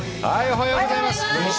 おはようございます。